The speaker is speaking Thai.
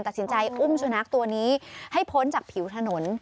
ตัดสินใจอุ้มสุนัขตัวนี้ให้พ้นจากผิวถนน